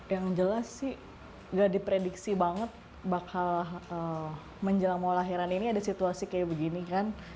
yang jelas sih gak diprediksi banget bakal menjelang mau lahiran ini ada situasi kayak begini kan